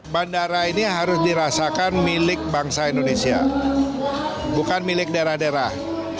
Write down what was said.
bandara ini harus dirasakan milik bangsa indonesia bukan milik daerah daerah